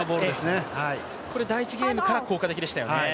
これ第１ゲームから効果的でしたよね。